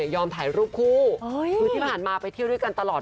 ถ่ายรูปคู่คือที่ผ่านมาไปเที่ยวด้วยกันตลอด